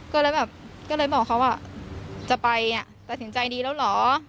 ก็เลยแบบก็เลยบอกเขาว่าจะไปตัดสินใจดีแล้วเหรอ